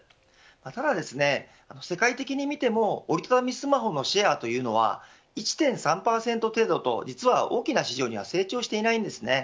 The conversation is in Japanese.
ただ、世界的に見ても折り畳みスマホのシェアは１．３％程度と実は大きな市場には成長していないんです。